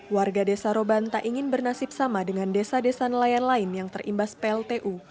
warga desa roban tak ingin bernasib sama dengan desa desa nelayan lain yang terimbas pltu